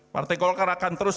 partai golkar akan terus